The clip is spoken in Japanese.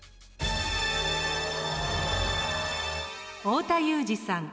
太田裕二さん